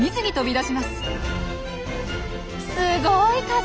すごい数！